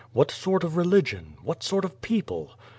What sort of religion, what sort of people